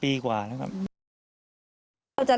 ปีกว่าแล้วครับ